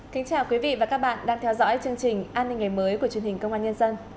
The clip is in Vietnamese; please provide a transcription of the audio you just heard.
kính chào quý vị và các bạn đang theo dõi chương trình an ninh ngày mới của truyền hình công an nhân dân